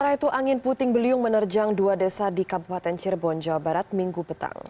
sementara itu angin puting beliung menerjang dua desa di kabupaten cirebon jawa barat minggu petang